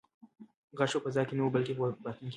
غږ په فضا کې نه و بلکې په باطن کې و.